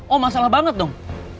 oh masalah banget dong